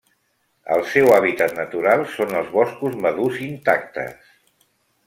El seu hàbitat natural són els boscos madurs intactes.